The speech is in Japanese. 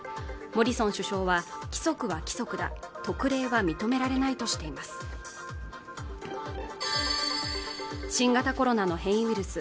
モリソン首相は規則は規則だ特例は認められないとしています新型コロナの変異ウイル